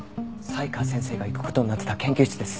才川先生が行く事になってた研究室です。